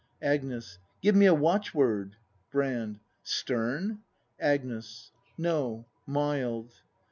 Agnes. Give me a watchword. Brand. Stern ? Agnes. No, mild.